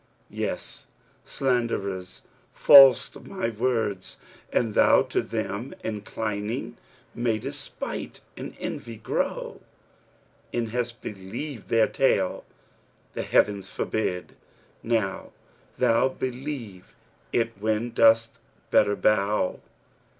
Yes, slanderers falsed my words, and thou to them * Inclining, madest spite and envy grow. An hast believed their tale, the Heavens forbid * Now thou believe it when dost better bow!